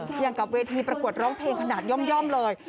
อย่างกับเวทีประกวดร้องเพลงขนาดย่อมเลย